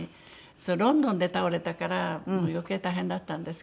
ロンドンで倒れたから余計大変だったんですけど。